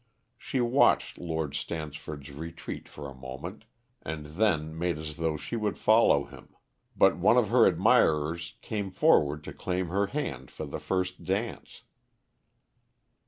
She watched Lord Stansford's retreat for a moment, and then made as though she would follow him, but one of her admirers came forward to claim her hand for the first dance.